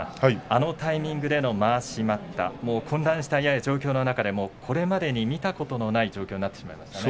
あのタイミングでのまわし待ったもう混乱したこの状況の中でこれまでに見たことのない状況になってしまいましたね。